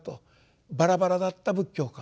バラバラだった仏教観